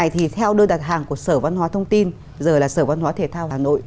thì theo đơn đặt hàng của sở văn hóa thông tin giờ là sở văn hóa thể thao hà nội